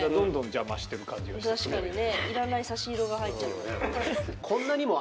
確かにね。